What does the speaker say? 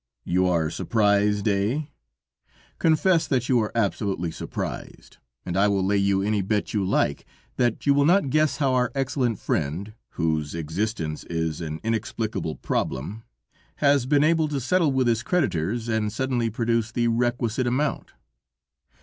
You are surprised, eh? Confess that you are absolutely surprised, and I will lay you any bet you like that you will not guess how our excellent friend, whose existence is an inexplicable problem, has been able to settle with his creditors, and suddenly produce the requisite amount."